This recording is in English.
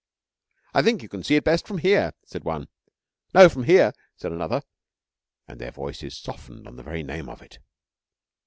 'I think you can see it best from here,' said one. 'No, from here,' said another, and their voices softened on the very name of it.